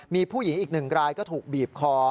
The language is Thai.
มีผู้หญิงอีกหนึ่งรายก็ถูกบีบคอ